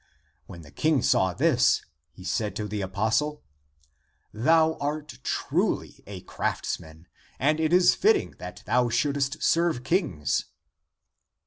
When the King saw this, he said to the apostle, " Thou art truly a craftsman, and it is fitting that thou shouldst serve Kings."